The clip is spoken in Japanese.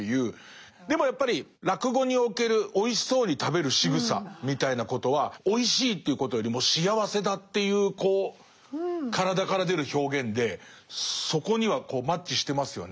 でもやっぱり落語におけるおいしそうに食べるしぐさみたいなことはおいしいということよりも幸せだっていうこう体から出る表現でそこにはマッチしてますよね。